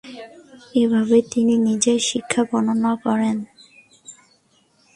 এইভাবেই তিনি নিজের শিক্ষা বর্ণনা করেন।